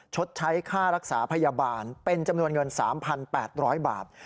ชดใช้ค่ารักษาพยาบาลเป็นจำนวนเงินสามพันแปดร้อยบาท